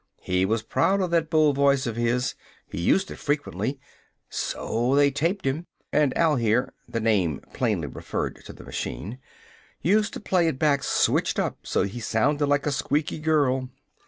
He was proud of that bull voice of his. He used it frequently. So they taped him, and Al here " the name plainly referred to the machine "used to play it back switched up so he sounded like a squeaky girl.